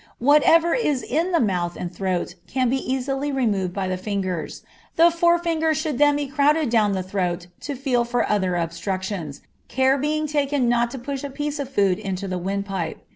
Whatever is in the mouth and throat can be easily removed by the fingers; the forefinger should then be crowded down the throat to feel for other obstructions, care being taken not to push a piece of food into the windpipe.